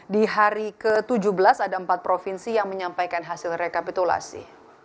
di hari ke tujuh belas ada empat provinsi yang menyampaikan hasil rekapitulasi